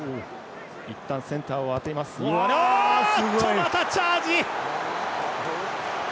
またチャージ！